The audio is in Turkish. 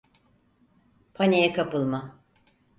Paniğe kapılma.